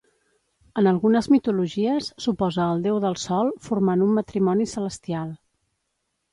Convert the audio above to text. En algunes mitologies s'oposa al Déu del Sol, formant un matrimoni celestial.